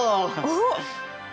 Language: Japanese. おっ！